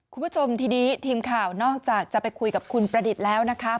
คุณผู้ชมทีนี้ทีมข่าวนอกจากจะไปคุยกับคุณประดิษฐ์แล้วนะคะ